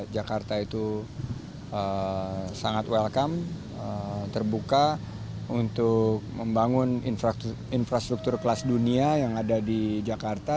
jakarta itu sangat welcome terbuka untuk membangun infrastruktur kelas dunia yang ada di jakarta